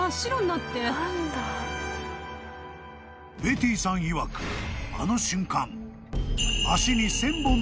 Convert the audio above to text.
［ベティーさんいわくあの瞬間］